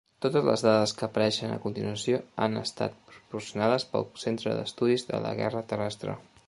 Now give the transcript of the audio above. Totes les dades que apareixen a continuació han estat proporcionades pel Centre d'Estudis de la Guerra Terrestre.